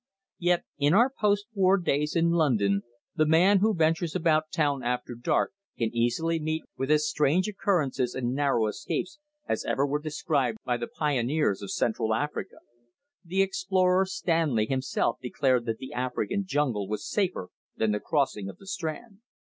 Yet in our post war days in London the man who ventures about town after dark can easily meet with as strange occurrences and narrow escapes as ever were described by the pioneers of Central Africa. The explorer Stanley himself declared that the African jungle was safer than the crossing of the Strand.